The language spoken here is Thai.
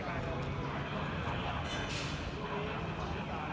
อันที่สุดท้ายก็คือภาษาอันที่สุดท้าย